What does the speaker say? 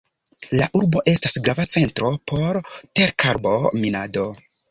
La urbo estas grava centro por terkarbo-minado.